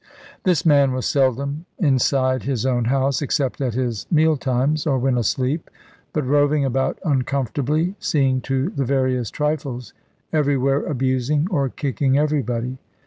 This man was seldom inside his own house, except at his meal times, or when asleep, but roving about uncomfortably, seeing to the veriest trifles, everywhere abusing or kicking everybody.